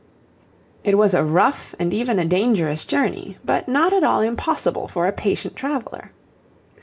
It was a rough and even a dangerous journey, but not at all impossible for a patient traveller.